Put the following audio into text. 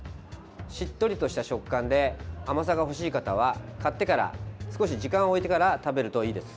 しっとりとした食感で甘さが欲しい方は買ってから少し時間を置いてから食べるといいです。